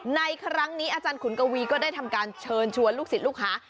ในครั้งนี้อาจารย์ขุนกวีก็ได้ทำการเชิญชวนลูกศิษย์ลูกค้า